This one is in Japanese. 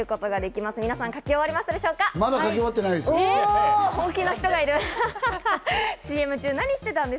まだ書き終わってないです。